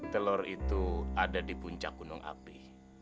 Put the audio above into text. telur itu ada di puncak gunung api